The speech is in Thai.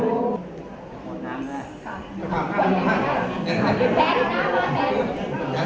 ทุติยังปิตพุทธธาเป็นที่พึ่ง